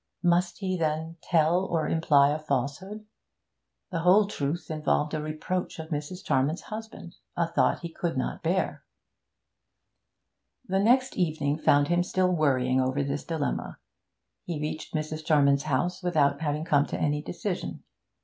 Must he, then, tell or imply a falsehood. The whole truth involved a reproach of Mrs. Charman's husband a thought he could not bear. The next evening found him still worrying over this dilemma. He reached Mrs. Charman's house without having come to any decision.